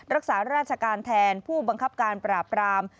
รักษาราชการแทนผู้บังคับการปราบราม